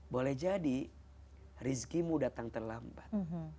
boleh jadi rizkimu datang terlambat